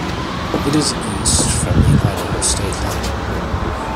It is east from the Idaho state line.